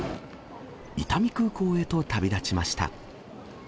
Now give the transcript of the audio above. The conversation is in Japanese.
伊丹空港へと旅立ちました。